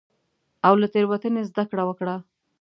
او له تېروتنې زدکړه وکړه.